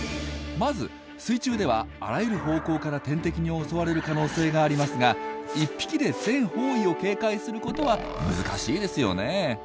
まず水中ではあらゆる方向から天敵に襲われる可能性がありますが１匹で全方位を警戒することは難しいですよね。